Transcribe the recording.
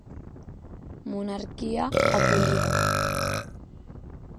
Monarquia abolida.